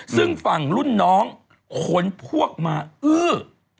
ซึ่งฝั่งรุ่นน้องขนพวกมาอื้อ